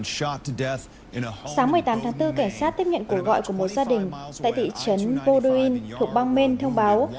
sáng một mươi tám tháng bốn cảnh sát tiếp nhận cổ gọi của một gia đình tại thị trấn baldwin thuộc bang maine thông báo